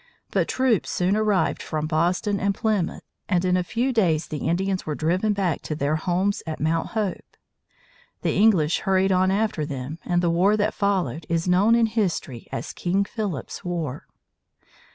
But troops soon arrived from Boston and Plymouth, and in a few days the Indians were driven back to their homes at Mount Hope. The English hurried on after them, and the war that followed is known in history as King Philip's War.